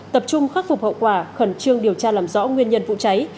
tập trung khắc phục hậu quả khẩn trương điều tra làm rõ nguyên nhân vụ cháy